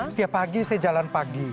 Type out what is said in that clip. setiap pagi saya jalan pagi